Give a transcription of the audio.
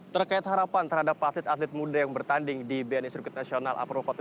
terkait harapan terhadap atlet atlet muda yang bertanding di bni sirkuit nasional a purwokota